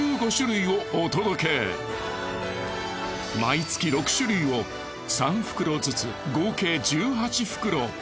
毎月６種類を３袋ずつ合計１８袋。